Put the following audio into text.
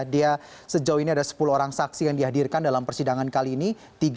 dia sejauh ini ada sepuluh orang saksi yang dihadirkan dalam persidangan kali ini